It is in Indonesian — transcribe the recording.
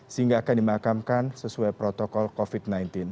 sehingga akan dimakamkan sesuai protokol covid sembilan belas